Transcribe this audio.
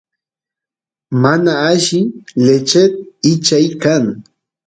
mana alli lechit ichay kan